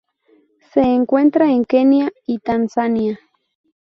Se encuentra en Kenia y Tanzania.